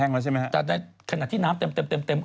แห้งแล้วใช่มั้ยฮะแต่ในขณะที่น้ำเต็ม